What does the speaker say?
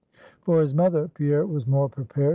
For his mother Pierre was more prepared.